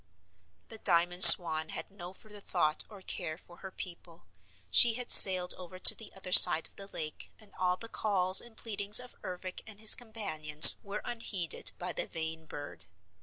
The Diamond Swan had no further thought or care for her people. She had sailed over to the other side of the lake and all the calls and pleadings of Ervic and his companions were unheeded by the vain bird.